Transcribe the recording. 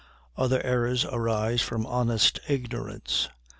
Other errors arise from honest ignorance.